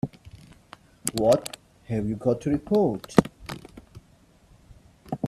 What have you got to report?